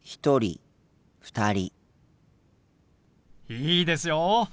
いいですよ。